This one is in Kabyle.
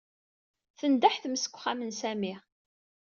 Tendeḥ tmes deg uxxam n Sami.